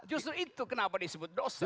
justru itu kenapa disebut dosa